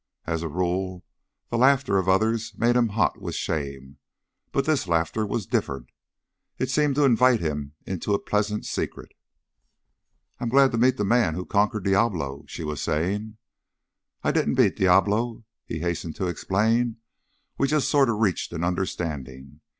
As a rule the laughter of others made him hot with shame, but this laughter was different; it seemed to invite him into a pleasant secret. "I'm glad to meet the man who conquered Diablo," she was saying. "I didn't beat Diablo," he hastened to explain. "We just sort of reached an understanding.